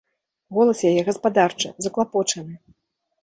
Голас яе гаспадарчы, заклапочаны.